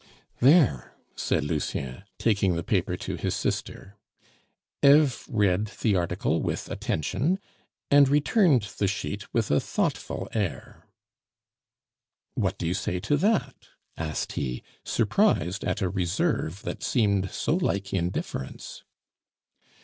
"There!" said Lucien, taking the paper to his sister. Eve read the article with attention, and returned with the sheet with a thoughtful air. "What do you say to that?" asked he, surprised at a reserve that seemed so like indifference.